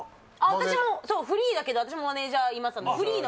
私もそうフリーだけど私もマネージャーいます